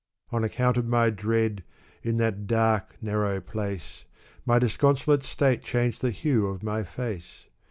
On account of my dread, in that dark, narrow place. My disconsolate state changed the hue of my face.